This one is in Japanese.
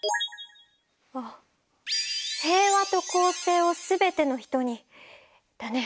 「平和と公正をすべての人に」だね。